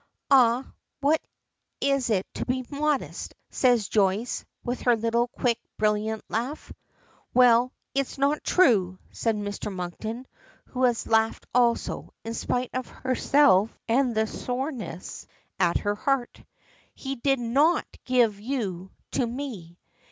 "Ah, what it is to be modest," says Joyce, with her little quick brilliant laugh. "Well, it's not true," says Mrs. Monkton, who has laughed also, in spite of herself and the soreness at her heart. "He did not give you to me.